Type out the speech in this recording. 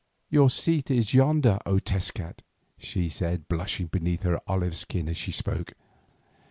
"Your seat is yonder, O Tezcat," she said, blushing beneath her olive skin as she spoke.